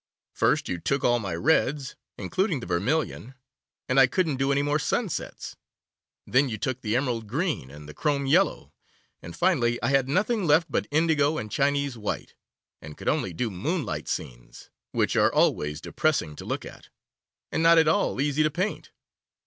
First you took all my reds, including the vermilion, and I couldn't do any more sunsets, then you took the emerald green and the chrome yellow, and finally I had nothing left but indigo and Chinese white, and could only do moonlight scenes, which are always depressing to look at, and not at all easy to paint.